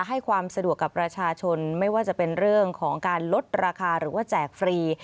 ให้ความสะดวกกับประชาชนไม่ว่าจะเป็นเรื่องของการลดราคาหรือว่าแจกฟรี